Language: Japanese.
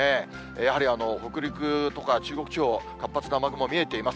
やはり北陸とか中国地方、活発な雨雲見えています。